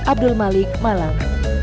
abdul malik malang